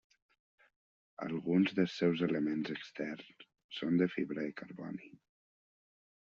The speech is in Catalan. Alguns dels seus elements externs són de fibra de carboni.